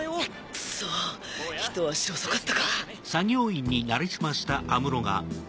クソひと足遅かったか